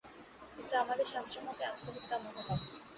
কিন্তু আমাদের শাস্ত্রমতে আত্মহত্যা মহাপাপ।